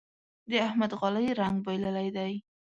د احمد غالۍ رنګ بايللی دی.